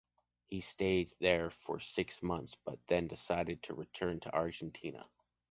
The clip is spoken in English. He stayed there for six months, but then decided to return to Argentina.